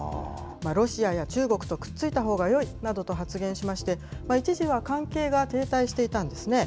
ロシアや中国とくっついたほうがよいなどと発言しまして、一時は関係が停滞していたんですね。